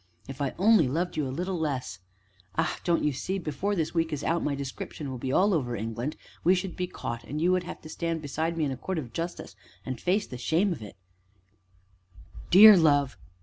If I only loved you a little less! Ah! don't you see before the week is out, my description will be all over England; we should be caught, and you would have to stand beside me in a court of justice, and face the shame of it " "Dear love!